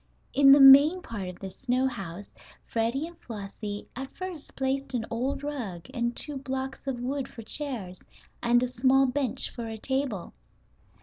In the main part of the snow house Freddie and Flossie at first placed an old rug and two blocks of wood for chairs, and a small bench for a table.